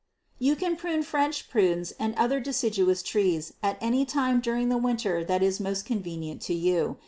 You can prune French prunes and other deciduous trees at any time during the winter that is most convenient to you.